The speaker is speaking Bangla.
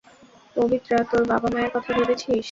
পবিত্রা, তোর বাবা-মায়ের কথা ভেবেছিস?